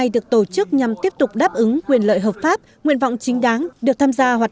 được tổ chức nhằm tiếp tục đáp ứng quyền lợi hợp pháp nguyện vọng chính đáng được tham gia hoạt